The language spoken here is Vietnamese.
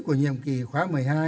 của nhiệm kỳ khóa một mươi hai